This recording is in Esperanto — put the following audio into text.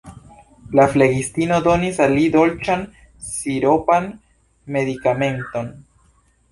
La flegistino donis al li dolĉan, siropan medikamenton.